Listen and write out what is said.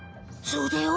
そうだよ。